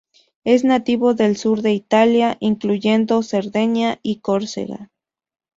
Es nativo del sur de Italia incluyendo Cerdeña y Córcega.